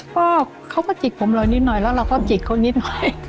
ก็เขาก็จิกผมรอยนิดหน่อยแล้วเราก็จิกเขานิดหน่อย